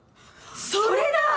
それだ！